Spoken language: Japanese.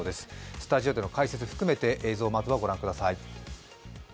スタジオでの解説を含めて映像をまずはごらんください。